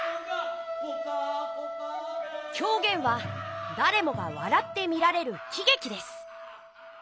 狂言はだれもがわらって見られるきげきです。